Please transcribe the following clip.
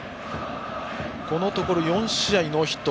このところ４試合ノーヒット。